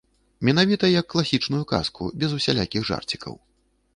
Менавіта як класічную казку, без усялякіх жарцікаў.